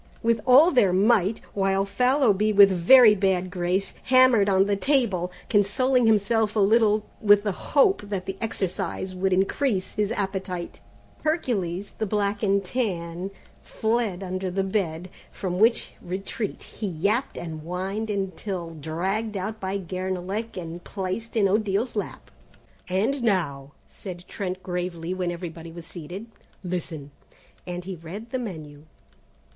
Marchons!" with all their might, while Fallowby with very bad grace, hammered on the table, consoling himself a little with the hope that the exercise would increase his appetite. Hercules, the black and tan, fled under the bed, from which retreat he yapped and whined until dragged out by Guernalec and placed in Odile's lap. "And now," said Trent gravely, when everybody was seated, "listen!" and he read the menu.